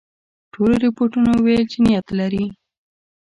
ټولو رپوټونو ویل چې نیت لري.